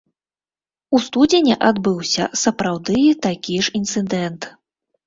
У студзені адбыўся сапраўды такі ж інцыдэнт.